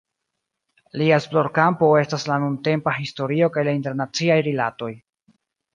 Lia esplorkampo estas la nuntempa historio kaj la internaciaj rilatoj.